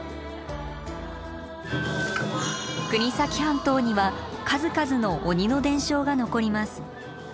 国東半島には数々の鬼の伝承が残ります。